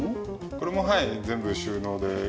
これもはい全部収納で壁面は。